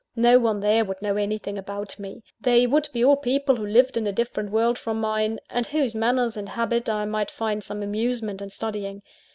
No one there would know anything about me. They would be all people who lived in a different world from mine; and whose manners and habits I might find some amusement in studying.